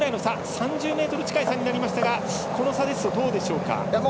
３０ｍ近い差になりましたがこの差ですと、どうでしょうか？